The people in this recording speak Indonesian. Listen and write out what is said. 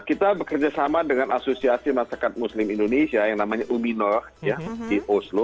kita bekerja sama dengan asosiasi masyarakat muslim indonesia yang namanya ubino di oslo